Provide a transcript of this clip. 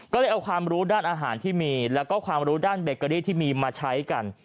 ก็เลยเอาความรู้ด้านอาหารที่มีแล้วก็ความรู้ด้านเบเกอรี่ที่มีมาใช้กัน